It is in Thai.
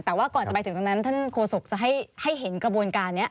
แต่ว่าก่อนจะไปถึงตรงนั้นท่านโฆษกจะให้เห็นกระบวนการนี้